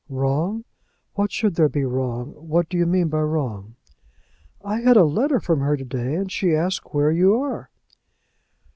"] "Wrong! what should there be wrong? What do you mean by wrong?" "I had a letter from her to day and she asks where you are."